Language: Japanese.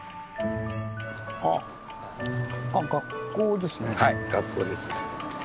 あはい学校です。